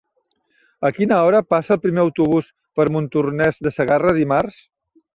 A quina hora passa el primer autobús per Montornès de Segarra dimarts?